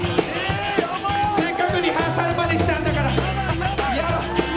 せっかくリハーサルまでしたんだから、やろう。